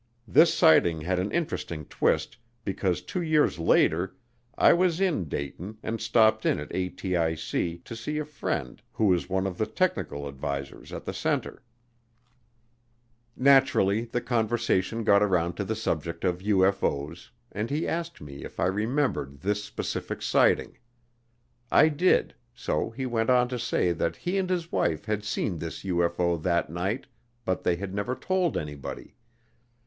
This sighting had an interesting twist because two years later I was in Dayton and stopped in at ATIC to see a friend who is one of the technical advisers at the center. Naturally the conversation got around to the subject of UFO's, and he asked me if I remembered this specific sighting. I did, so he went on to say that he and his wife had seen this UFO that night but they had never told anybody.